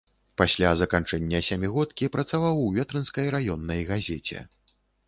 Пасля заканчэння сямігодкі працаваў у ветрынскай раённай газеце.